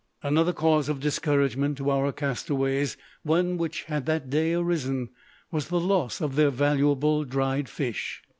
Another cause of discouragement to our castaways, one which had that day arisen, was the loss of their valuable dried fish.